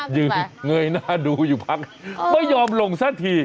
อยู่ตรงเงยหน้าดูป่ะไม่ยอมหลงซะที